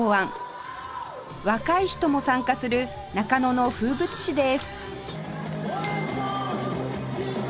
若い人も参加する中野の風物詩です